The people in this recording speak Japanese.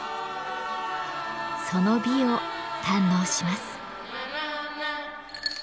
その美を堪能します。